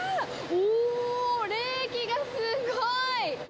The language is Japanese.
おー、冷気がすごい！